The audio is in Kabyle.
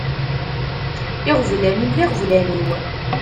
Iɣeblan-im d iɣeblan-iw.